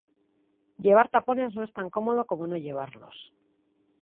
Llevar tapones no es tan cómodo como no llevarlos.